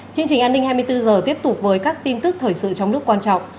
chương trình an ninh hai mươi bốn h tiếp tục với các tin tức thời sự trong nước quan trọng